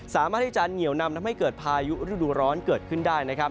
สามารถที่จะเหนียวนำทำให้เกิดพายุฤดูร้อนเกิดขึ้นได้นะครับ